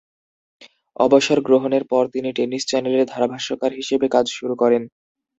অবসর গ্রহণের পর তিনি টেনিস চ্যানেলে ধারাভাষ্যকার হিসেবে কাজ শুরু করেন।